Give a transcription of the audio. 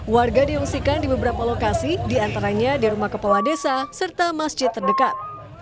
warga diungsikan di beberapa lokasi diantaranya di rumah kepala desa serta masjid terdekat